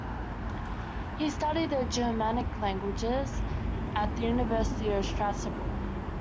He studied the Germanic languages at the University of Strasbourg.